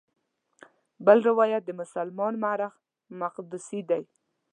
بل روایت د مسلمان مورخ مقدسي دی.